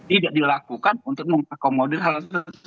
tidak dilakukan untuk mengakomodir hal tersebut